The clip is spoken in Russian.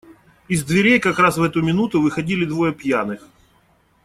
Из дверей, как раз в эту минуту, выходили двое пьяных.